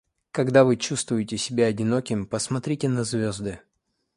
Когда вы чувствуете себя одиноким, посмотрите на звезды.